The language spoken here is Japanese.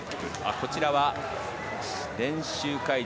こちらは練習会場。